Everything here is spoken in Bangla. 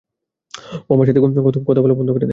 ও আমার সাথে কথা বলা বন্ধ করে দেয়।